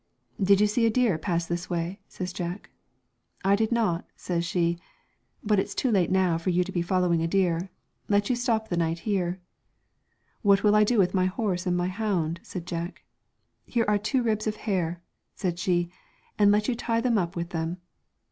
' Did you see a deer pass this way ?' says Jack. ' I did not/ says she, ' but it's too late now for you to be follow ing a deer, let you stop the night here/ ' What will I do with my horse and my hound ?' said Jack. ' Here are two ribs of hair,' says she, 'and let you tie them up with them.'